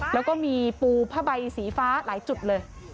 แล้วก็มีปูผ้าใบสีฟ้าหลายจุดเลย